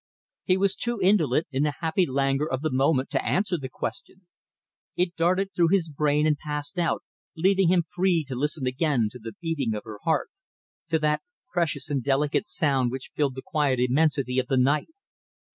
He was too indolent in the happy languor of the moment to answer the question. It darted through his brain and passed out, leaving him free to listen again to the beating of her heart; to that precious and delicate sound which filled the quiet immensity of the night.